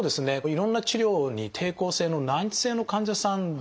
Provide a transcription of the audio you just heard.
いろんな治療に抵抗性の難治性の患者さんでもですね